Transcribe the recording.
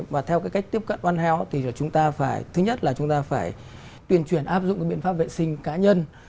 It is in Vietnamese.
và theo cách tiếp cận one health thì thứ nhất là chúng ta phải tuyên truyền áp dụng biện pháp vệ sinh cá nhân